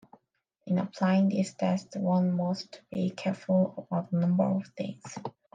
In applying this test, one must be careful about a number of things.